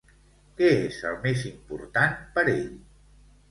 Què és el més important per ell?